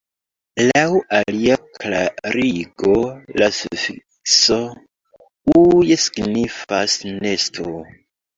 Laŭ alia klarigo la sufikso -uj- signifas "nesto".